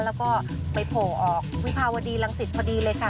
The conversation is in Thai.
แล้วก็ไปโผล่ออกวิภาวดีรังสิตพอดีเลยค่ะ